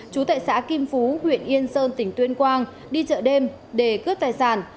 chú tại xã kim phú huyện yên sơn tỉnh tuyên quang đi chợ đêm để cướp tài sản